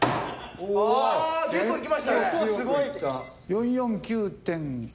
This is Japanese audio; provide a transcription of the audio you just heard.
４４９．９。